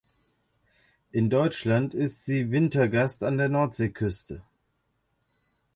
In Deutschland ist sie Wintergast an der Nordseeküste.